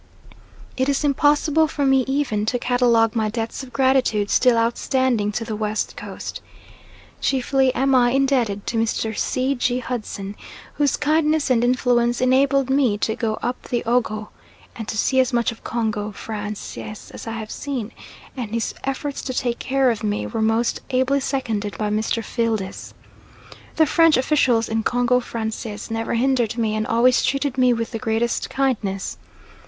It is impossible for me even to catalogue my debts of gratitude still outstanding to the West Coast. Chiefly am I indebted to Mr. C. G. Hudson, whose kindness and influence enabled me to go up the Ogowe and to see as much of Congo Francais as I have seen, and his efforts to take care of me were most ably seconded by Mr. Fildes. The French officials in "Congo Francais" never hindered me, and always treated me with the greatest kindness.